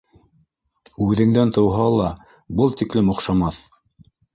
Үҙеңдән тыуһа ла был тиклем оҡшамаҫ!